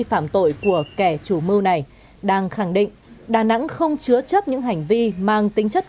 phạm tội của kẻ chủ mưu này đang khẳng định đà nẵng không chứa chấp những hành vi mang tính chất